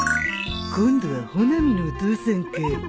今度は穂波のお父さんか